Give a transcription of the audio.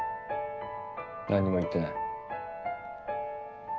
何も言ってない。